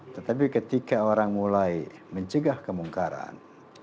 tetapi ketika orang mulai mencegah kemungkaran